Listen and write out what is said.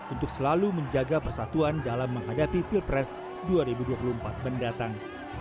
untuk selalu menjaga persatuan dalam menghadapi pilpres dua ribu dua puluh empat mendatang